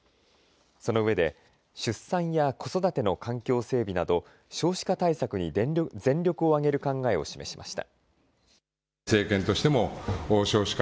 そのうえで出産や子育ての環境整備など少子化対策に全力を挙げる考えを示しました。